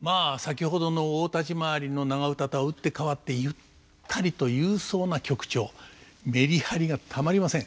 まあ先ほどの大立ち回りの長唄とは打って変わってメリハリがたまりません。